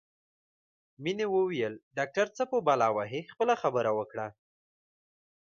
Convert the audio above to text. مينې وویل ډاکټر څه په بلا وهې خپله خبره وکړه